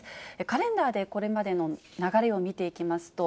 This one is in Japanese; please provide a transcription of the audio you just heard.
カレンダーでこれまでの流れを見ていきますと、